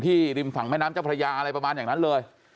ริมฝั่งแม่น้ำเจ้าพระยาอะไรประมาณอย่างนั้นเลย